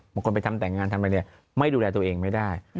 ไปทำแต่งงานทำอะไรเนี่ยไม่ดูแลตัวเองไม่ได้